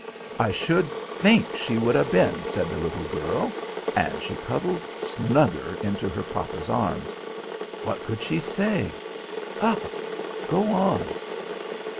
"I should think she would 'a' been," said the little girl; and she cuddled snugger into her papa's arms. "What could she say? Ugh! Go on."